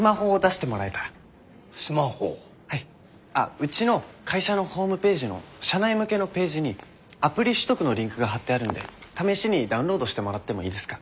うちの会社のホームページの社内向けのページにアプリ取得のリンクが貼ってあるんで試しにダウンロードしてもらってもいいですか？